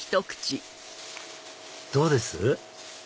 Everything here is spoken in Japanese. どうです？